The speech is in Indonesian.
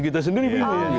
kita sendiri punya ya